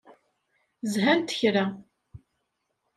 Zhant kra.